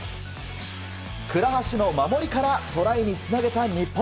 倉橋の守りからトライにつなげた日本。